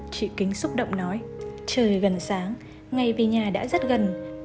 chị kính xúc động nói trời gần sáng ngày về nhà đã rất gần